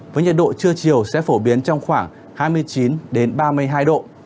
với nhiệt độ trưa chiều sẽ phổ biến trong khoảng hai mươi chín ba mươi hai độ